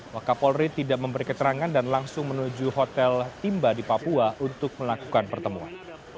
wakapolri tidak memberi keterangan dan langsung menuju hotel timba di papua untuk melakukan pertemuan